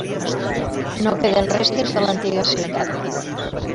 No queden restes de l'antiga ciutat.